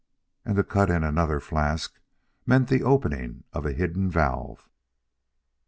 And to cut in another flask meant the opening of a hidden valve.